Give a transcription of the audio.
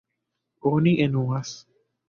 Oni enuas.